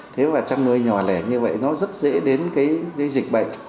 thế mà trong nơi nhòa lẻ như vậy nó rất dễ đến cái dịch bệnh